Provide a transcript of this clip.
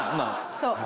そう。